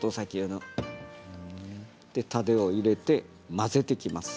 たでを入れて混ぜていきます。